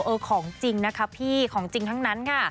ของจริงนะคะพี่ของจริงทั้งนั้นค่ะ